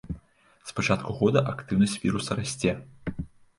З пачатку года актыўнасць віруса расце.